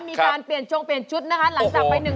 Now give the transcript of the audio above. มีการเปลี่ยนชงเปลี่ยนชุดนะคะหลังจากไปหนึ่ง